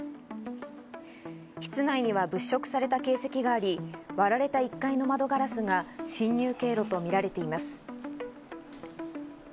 室内には物色された形跡があり、割られた１階の窓ガラスが侵入経路とみられています。